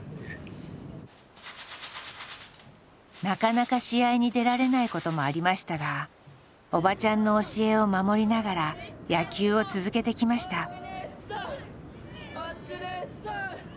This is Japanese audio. なかなか試合に出られないこともありましたがおばちゃんの教えを守りながら野球を続けてきました。